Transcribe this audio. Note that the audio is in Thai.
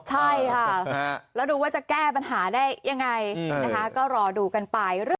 ใช่ค่ะแล้วดูว่าจะแก้ปัญหาได้ยังไงนะคะก็รอดูกันไป